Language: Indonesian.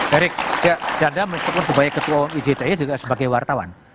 daryk saya anda mencetak sebagai ketua ijtn juga sebagai wartawan